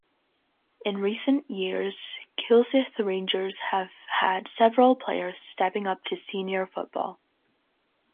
In recent years Kilsyth Rangers have had several players stepping up to Senior Football.